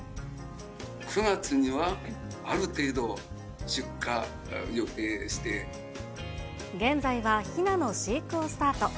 ９月にはある程度、現在はひなの飼育をスタート。